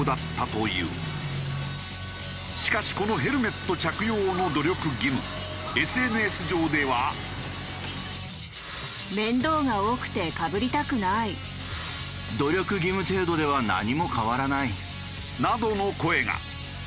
しかしこのヘルメット着用の努力義務などの声が。